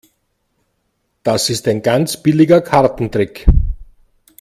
Das ist ein ganz billiger Kartentrick.